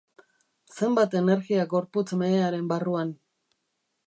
Zenbat energia gorputz mehearen barruan.